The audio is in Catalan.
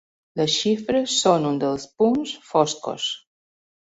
Les xifres són un dels punts foscos.